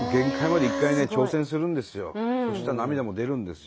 そしたら涙も出るんですよ。